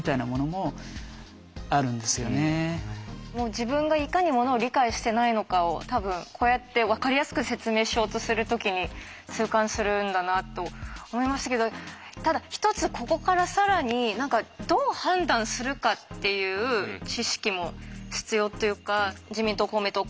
もう自分がいかにものを理解してないのかを多分こうやってわかりやすく説明しようとする時に痛感するんだなと思いましたけどただ一つここから更に何かどう判断するかっていう知識も必要というか自民党公明党